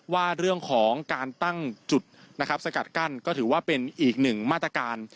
ว่าเรื่องของการตั้งจุดนะครับสกัดกั้นก็ถือว่าเป็นอีกหนึ่งมาตรการ